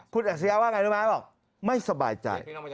คุณอัจฉริยะว่าไงรู้ไหมบอกไม่สบายใจ